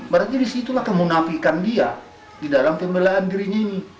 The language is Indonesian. berarti disitulah kemunafikan dia di dalam pembelaan dirinya ini